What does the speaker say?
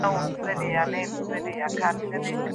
که مینه وي نو ټولګی نه مړاوی کیږي.